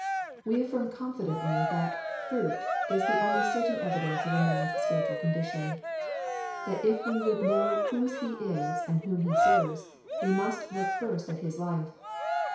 We affirm confidently that " fruit " is the only certain evidence of a man s spiritual condition ; that if we would know whose he is and whom he serves, we must look first at his life.